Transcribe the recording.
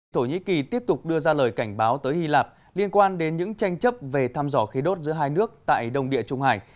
thổ nhĩ kỳ tiếp tục đưa ra lời cảnh báo tới hy lạp liên quan đến những tranh chấp về thăm dò khí đốt giữa hai nước tại đông địa trung hải